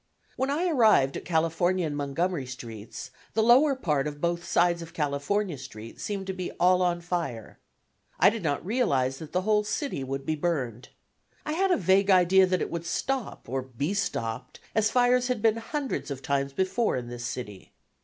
When I arrived at California and Montgomery streets the lower part of both sides of California Street seemed to be all on fire. I did not realize that the whole city would be burned. I had a vague idea that it would stop, or be stopped, as fires had been hundreds of times before in this city.